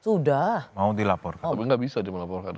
oh tapi gak bisa dilaporkan